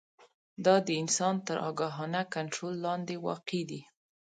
دا د انسان تر آګاهانه کنټرول لاندې واقع دي.